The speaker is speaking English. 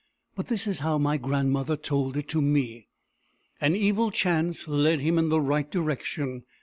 But this is how my grandmother told it to me. An evil chance led him in the right direction.